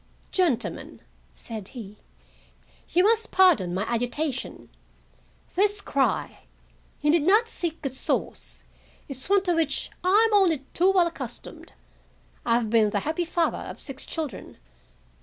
"Gentlemen," said he, "you must pardon my agitation. This cry—you need not seek its source—is one to which I am only too well accustomed. I have been the happy father of six children.